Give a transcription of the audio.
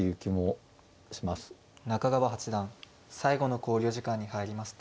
中川八段最後の考慮時間に入りました。